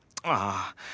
ああ。